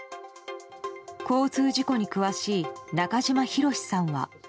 交通事故に詳しい中島博史さんは。